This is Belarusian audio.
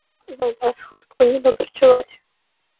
Вам праз хустку не добра чуваць.